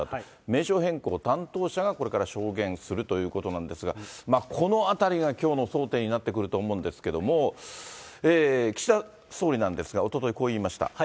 名称変更、担当者がこれから証言するということなんですが、このあたりがきょうの争点になってくると思うんですけども、岸田総理なんですが、おととい、こう言いました。